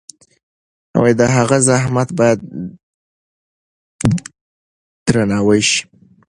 د هغه زحمت باید درناوی شي.